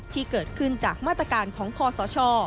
ที่เกิดขึ้นจากมาตรการของคอสช